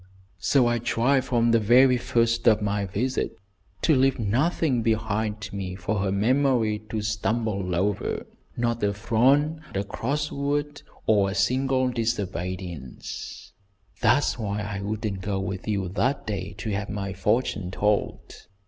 "So I tried from the very first of my visit to leave nothing behind me for her memory to stumble over; not a frown, a cross word, or a single disobedience. That's why I wouldn't go with you that day to have my fortune told.